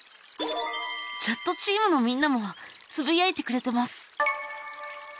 チャットチームのみんなもつぶやいてくれてます。